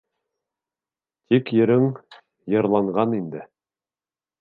Тик йырың йырланған инде.